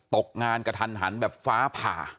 ตกงานกระทันหันแบบฟ้าผ่า